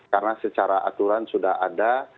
karena secara aturan sudah ada